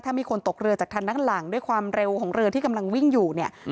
ถ้ามีคนตกเรือจากทางด้านหลังด้วยความเร็วของเรือที่กำลังวิ่งอยู่เนี่ย